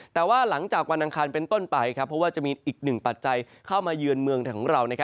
แต่ว่าหลังจากวันอังคารเป็นต้นไปเพราะว่าจะมีอีกหนึ่งปัจจัยเข้ามาเยือนเมืองของเรา